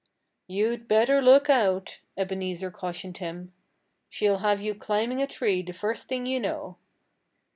"You'd better look out!" Ebenezer cautioned him. "She'll have you climbing a tree the first thing you know."